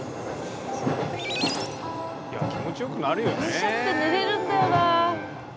電車って寝れるんだよなあ。